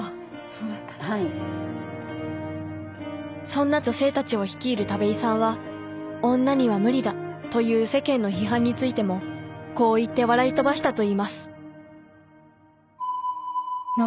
そんな女性たちを率いる田部井さんは女には無理だという世間の批判についてもこう言って笑い飛ばしたといいます